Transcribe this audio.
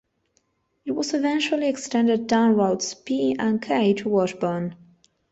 It was eventually extended down Routes P and K to Washburn.